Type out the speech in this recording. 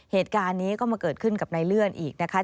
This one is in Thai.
เหตุการณ์นี้ก็มาเกิดขึ้นกับนายเลื่อนอีกนะคะ